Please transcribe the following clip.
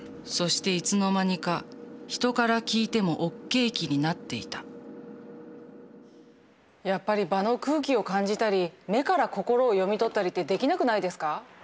そしていつの間にか「人から聞いてもＯＫ期」になっていたやっぱり場の空気を感じたり目から心を読み取ったりってできなくないですか？